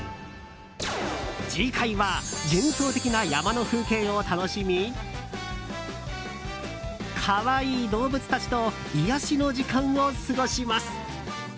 次回は幻想的な山の風景を楽しみ可愛い動物たちと癒やしの時間を過ごします。